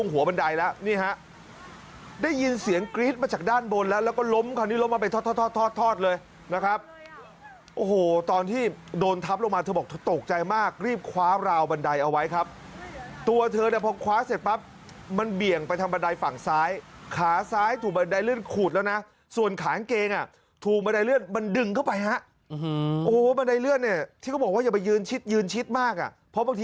หัวบันไดแล้วนี่ฮะได้ยินเสียงกรี๊ดมาจากด้านบนแล้วแล้วก็ล้มคราวนี้ล้มมาไปทอดเลยนะครับโอ้โหตอนที่โดนทับลงมาเธอบอกตกใจมากรีบคว้าราวบันไดเอาไว้ครับตัวเธอพอคว้าเสร็จปั๊บมันเบี่ยงไปทางบันไดฝั่งซ้ายขาซ้ายถูบบันไดเลื่อนขูดแล้วนะส่วนขาอังเกงถูบบันไดเลื่อนมันดึงเข้าไปฮะโอ้